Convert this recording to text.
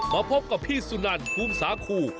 มาพบกับพี่สุนันภูมิสาคู